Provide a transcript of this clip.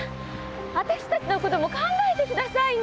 あたしたちのことも考えてくださいな！